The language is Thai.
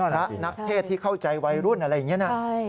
นักเทศที่เข้าใจวัยรุ่นอะไรอย่างนี้นะ